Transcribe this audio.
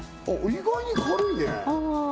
意外に軽いね